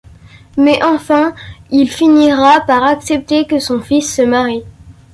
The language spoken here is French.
Mais enfin, il finira par accepter que son fils se marie.